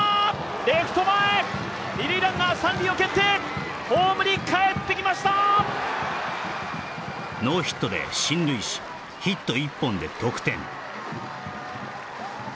レフト前二塁ランナー三塁を蹴ってホームにかえってきましたノーヒットで進塁しヒット１本で得点